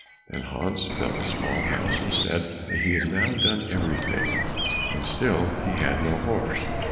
Then Hans built the small house, and said that he had now done everything, and still he had no horse.